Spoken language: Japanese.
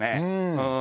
うん。